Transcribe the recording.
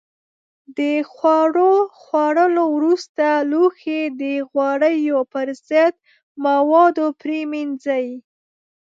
د خوړو خوړلو وروسته لوښي د غوړیو پر ضد موادو پرېمنځئ.